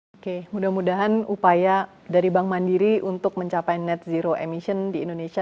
oke mudah mudahan upaya dari bank mandiri untuk mencapai net zero emission di indonesia